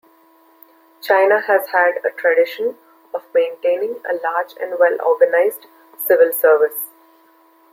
China has had a tradition of maintaining a large and well-organized civil service.